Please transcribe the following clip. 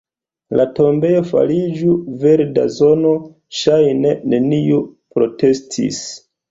La tombejo fariĝu verda zono; ŝajne neniu protestis.